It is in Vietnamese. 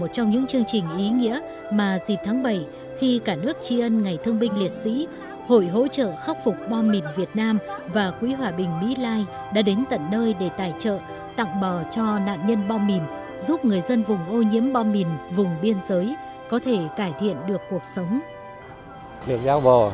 trong những chương trình ý nghĩa mà dịp tháng bảy khi cả nước tri ân ngày thương binh liệt sĩ hội hỗ trợ khắc phục bom mìn việt nam và quỹ hòa bình mỹ lai đã đến tận nơi để tài trợ tặng bò cho nạn nhân bom mìn giúp người dân vùng ô nhiễm bom mìn vùng biên giới có thể cải thiện được cuộc sống